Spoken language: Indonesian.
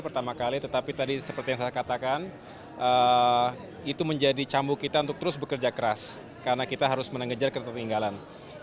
pertama kali tetapi tadi seperti yang saya katakan itu menjadi cambuk kita untuk terus bekerja keras karena kita harus mengejar ketertinggalan